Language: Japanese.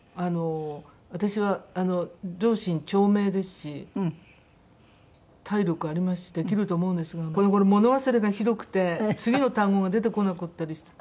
私は両親長命ですし体力ありますしできると思うんですがこの頃物忘れがひどくて次の単語が出てこなかったりして大変なんですよ